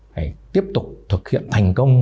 phải tiếp tục thực hiện thành công